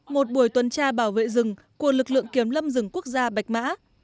một buổi tuần tra bảo vệ rừng của lực lượng kiểm lâm rừng quốc gia bạch mã